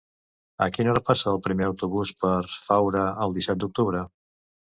A quina hora passa el primer autobús per Faura el disset d'octubre?